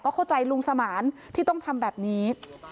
เข้าใจลุงสมานที่ต้องทำแบบนี้